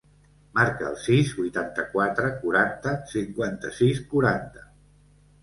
Marca el sis, vuitanta-quatre, quaranta, cinquanta-sis, quaranta.